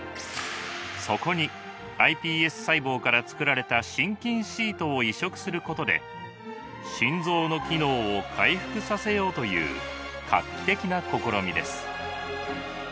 そこにｉＰＳ細胞からつくられた心筋シートを移植することで心臓の機能を回復させようという画期的な試みです。